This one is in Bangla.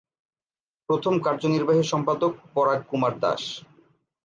প্রথম কার্যনির্বাহী সম্পাদক পরাগ কুমার দাস।